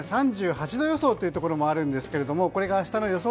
３８度予想というところもあるんですがこれが明日の予想